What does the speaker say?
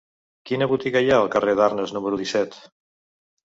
Quina botiga hi ha al carrer d'Arnes número disset?